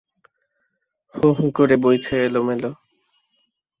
হু হু করে বইছে এলোমেলো।